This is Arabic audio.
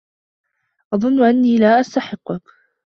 أظنّ أنّي لا أستحقّك.